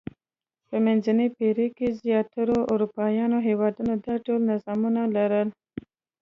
په منځنۍ پېړۍ کې زیاترو اروپايي هېوادونو دا ډول نظامونه لرل.